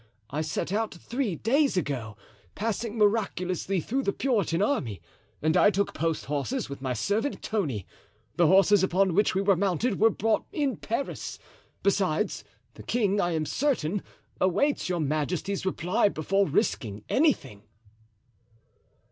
I set out three days ago, passing miraculously through the Puritan army, and I took post horses with my servant Tony; the horses upon which we were mounted were bought in Paris. Besides, the king, I am certain, awaits your majesty's reply before risking anything."